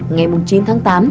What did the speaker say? ngày chín tháng tám